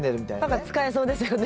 何か使えそうですよね。